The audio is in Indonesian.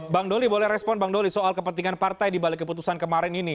bang doli boleh respon bang doli soal kepentingan partai dibalik keputusan kemarin ini